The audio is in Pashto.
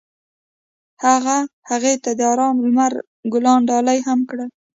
هغه هغې ته د آرام لمر ګلان ډالۍ هم کړل.